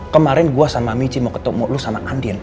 kemarin gue sama mieci mau ketemu lo sama andien